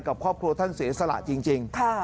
กับครอบครัวท่านเสียสละจริง